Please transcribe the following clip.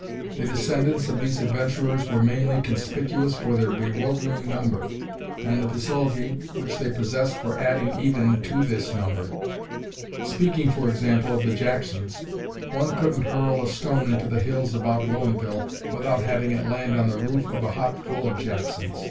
The descendants of these adventurers were mainly conspicuous for their bewildering number, and the facility which they possessed for adding even to this number. Speaking, for example, of the Jacksons one couldn't hurl a stone into the hills about Whilomville without having it land on the roof of a hut full of Jacksons.